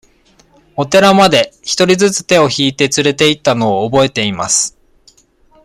お寺まで、一人ずつ手を引いて連れて行ったのを覚えています。